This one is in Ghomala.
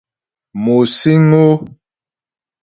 Mo síŋ ó.